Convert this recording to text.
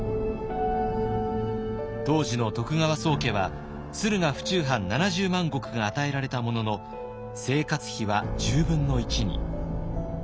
当時の徳川宗家は駿河府中藩７０万石が与えられたものの生活費は１０分の１に。